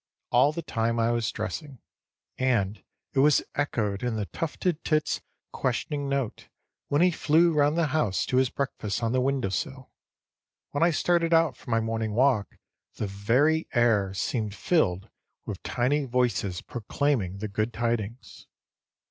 all the time I was dressing, and it was echoed in the tufted tit's questioning note when he flew round the house to his breakfast on the window sill. When I started out for my morning walk the very air seemed filled with tiny voices proclaiming the good tidings.